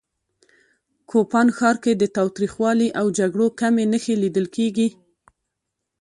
کوپان ښار کې د تاوتریخوالي او جګړو کمې نښې لیدل کېږي